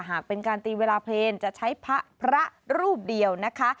หากเป็นการตีเวลาเพลงจะใช้พระรูปเดียวนะคะ